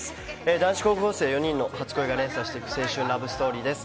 男子高校生４人の初恋が連鎖していく青春ラブストーリーです。